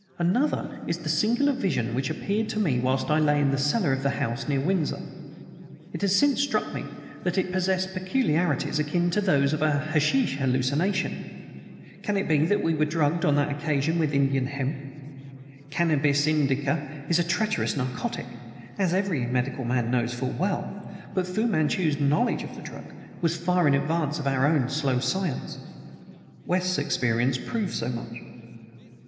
Another is the singular vision which appeared to me whilst I lay in the cellar of the house near Windsor. It has since struck me that it possessed peculiarities akin to those of a hashish hallucination. Can it be that we were drugged on that occasion with Indian hemp? Cannabis indica is a treacherous narcotic, as every medical man knows full well; but Fu Manchu's knowledge of the drug was far in advance of our slow science. West's experience proved so much.